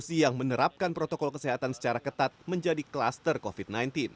provinsi yang menerapkan protokol kesehatan secara ketat menjadi kluster covid sembilan belas